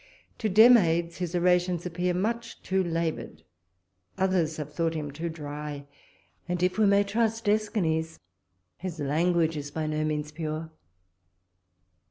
To Demades, his orations appear too much laboured; others have thought him too dry; and, if we may trust Æschines, his language is by no means pure.